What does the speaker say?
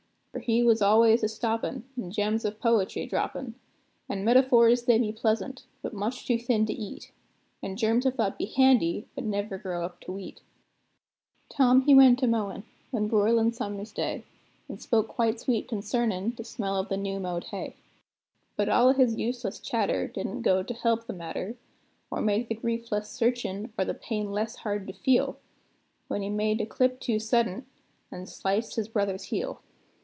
For he was al'ays a stoppin', and gems of poetry droppin'; And metaphors, they be pleasant, but much too thin to eat; And germs of thought be handy, but never grow up to wheat. Tom he went a mowin', one broilin' summer's day, An' spoke quite sweet concernin' the smell of the new mowed hay. But all o' his useless chatter didn't go to help the matter, Or make the grief less searchin' or the pain less hard to feel, When he made a clip too suddent, an' sliced his brother's heel.